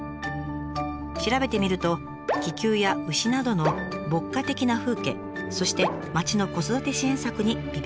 調べてみると気球や牛などの牧歌的な風景そして町の子育て支援策にビビッときました。